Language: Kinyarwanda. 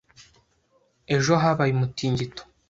Ejo habaye umutingito.